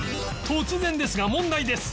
突然ですが問題です